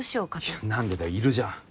いや何でだよいるじゃん。